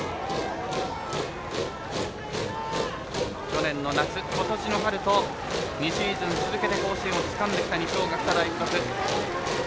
去年の夏、ことしの春と２シーズン続けて甲子園をつかんできた二松学舎大付属。